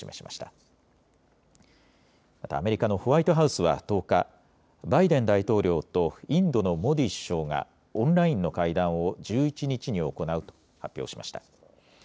またアメリカのホワイトハウスは１０日、バイデン大統領とインドのモディ首相がオンラインの会談を１１日に行うと発表しました。